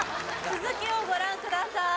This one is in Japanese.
続きをご覧ください